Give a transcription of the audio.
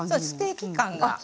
ステーキ感が。